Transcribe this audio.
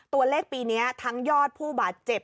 ตัวเลขปีนี้ทั้งยอดผู้บาดเจ็บ